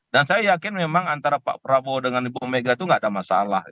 dan saya yakin memang antara pak prabowo dengan ibu mega itu nggak ada masalah